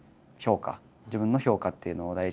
自分の評価っていうのを大事にしてるので。